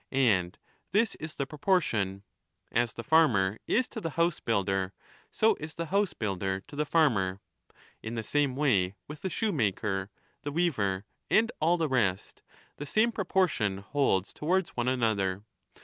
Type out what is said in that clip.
And this is the propor tion. As the farmer is to the housebuilder, so is the housebuilder to the farmer. In the same way with the 15 shoemaker, the weaver, and all the rest, the same propor tion holds towards one another.